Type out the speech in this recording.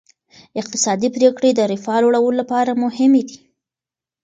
اقتصادي پریکړې د رفاه لوړولو لپاره مهمې دي.